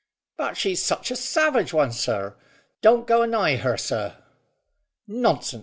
"But she's such a savage one, sir. Don't go anigh her, sir." "Nonsense!"